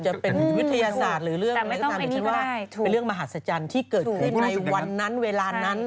จะเป็นวิทยาศาสตร์หรือเรื่องมหัศจรรย์ที่เกิดขึ้นในวันนั้นเวลานั้น